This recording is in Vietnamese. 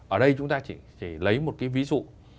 ở đây chúng ta chỉ lấy một cái ví dụ